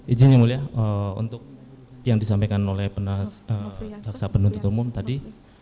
ijin yang mulia untuk yang disampaikan oleh penas saksi penuntut umum tadi